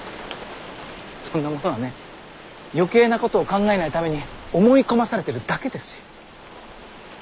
そんなものはね余計なことを考えないために思い込まされてるだけですよ。